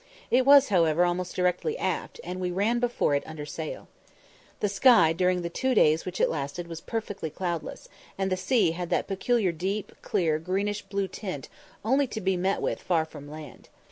It was, however, almost directly aft, and we ran before it under sail. The sky during the two days which it lasted was perfectly cloudless, and the sea had that peculiar deep, clear, greenish blue tint only to be met with far from land.